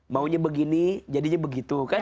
maunya begini jadinya begitu kan